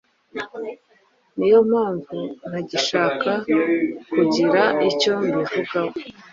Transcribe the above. niyo mpamvu ntagishaka kugira icyo mbivugaho